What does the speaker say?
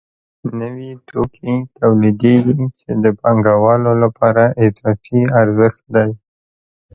نوي توکي تولیدېږي چې د پانګوالو لپاره اضافي ارزښت دی